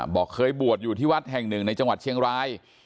บอกเคยบวชอยู่ที่วัดแห่งหนึ่งในจังหวัดเชียงราย